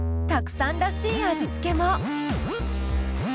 Ｔａｋｕさんらしい味付けも！